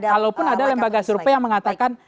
kalau pun ada lembaga survei yang mengatakan